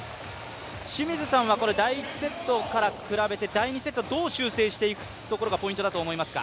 清水さんは第１セットから比べて第２セットはどう修正していくことがポイントだと思いますか？